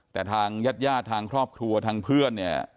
แต่ทางญาติญาติทางครอบครัวทางเพื่อนเนี่ย